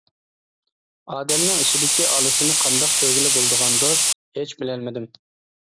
ئادەمنىڭ ئىچىدىكى ئالىسىنى قانداق كۆرگىلى بولىدىغاندۇر؟ ھېچ بىلەلمىدىم.